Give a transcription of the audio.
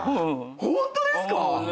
ホントですか⁉